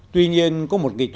tuy nhiên có một nghiên cứu